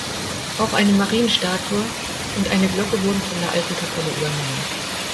Auch eine Marienstatue und eine Glocke wurden von der alten Kapelle übernommen.